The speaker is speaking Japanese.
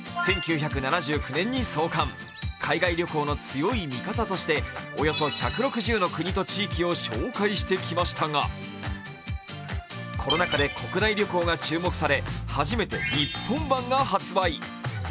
１９７９年に創刊、海外旅行の強い味方としておよそ１６０の国と地域を紹介してきましたが、コロナ禍で国内旅行が注目され初めて日本版が発売。